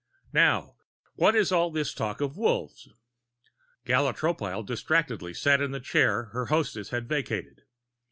"Now what is all this talk of Wolves?" Gala Tropile distractedly sat in the chair her hostess had vacated.